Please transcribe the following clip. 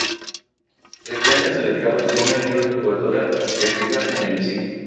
El cráneo es alargado con una leve curvatura hacia arriba en el hocico.